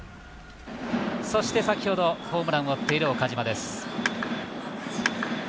そして、先ほど、ホームランを打っている岡島です。